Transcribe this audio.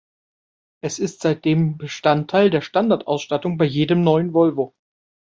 Es ist seitdem Bestandteil der Standardausstattung bei jedem neuen Volvo.